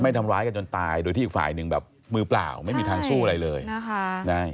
ทำร้ายกันจนตายโดยที่อีกฝ่ายหนึ่งแบบมือเปล่าไม่มีทางสู้อะไรเลยนะคะ